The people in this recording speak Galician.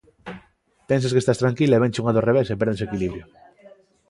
Pensas que estás tranquila e vénche unha do revés e perdes o equilibrio.